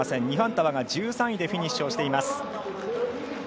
ニファンタワが１３位でフィニッシュをしています。